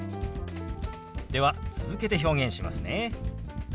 では続けて表現しますね。